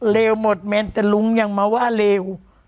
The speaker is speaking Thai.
เลวหมดแมนแต่ลุงยังมาว่าเลว